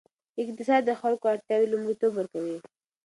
اقتصاد د خلکو اړتیاوې لومړیتوب ورکوي.